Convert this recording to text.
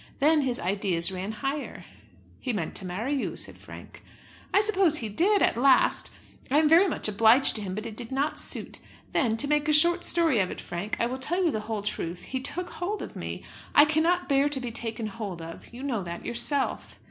Then his ideas ran higher." "He meant to marry you," said Frank. "I suppose he did, at last. I am very much obliged to him, but it did not suit. Then, to make a short story of it, Frank, I will tell you the whole truth. He took hold of me. I cannot bear to be taken hold of; you know that yourself."